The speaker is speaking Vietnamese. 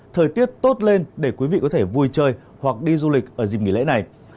thời tiết tốt lên để quý vị có thể vui chơi hoặc đi du lịch ở dịp nghỉ lễ này